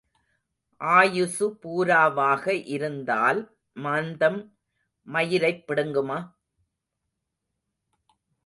ஆயுசு பூராவாக இருந்தால் மாந்தம் மயிரைப் பிடுங்குமா?